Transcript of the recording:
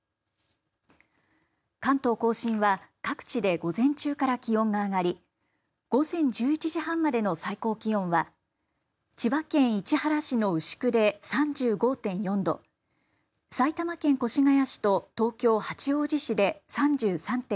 関東甲信は各地で午前中から気温が上がり午前１１時半までの最高気温は千葉県市原市の牛久で３５．４度埼玉県越谷市と東京、八王子市で３３．９度。